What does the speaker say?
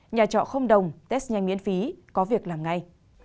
nhà trọ không đồng test nhanh miễn phí có việc làm ngay